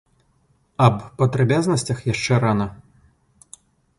Аб падрабязнасцях яшчэ рана.